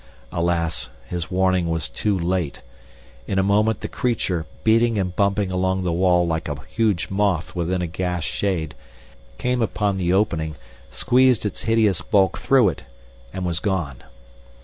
Alas, his warning was too late! In a moment the creature, beating and bumping along the wall like a huge moth within a gas shade, came upon the opening, squeezed its hideous bulk through it, and was gone.